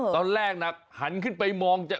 ตอนแรกหันเดินขึ้นไปน้ำจะ